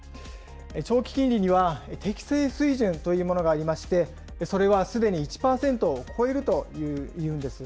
長期金利には適正水準というものがありまして、それはすでに１％を超えるというんです。